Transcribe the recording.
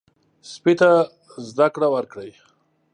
سپي ته زده کړه ورکړئ.